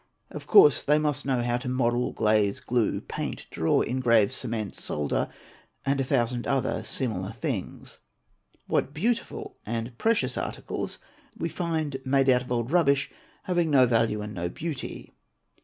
Of course they must know how to model, glaze, glue, paint, draw, engrave, cement, solder, and a thousand other similar things. What beautifulvand precious articles we find made out of old rubbish, having no value and no beauty!